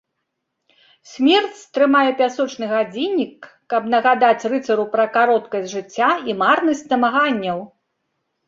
Смерць трымае пясочны гадзіннік, каб нагадаць рыцару пра кароткасць жыцця і марнасць намаганняў.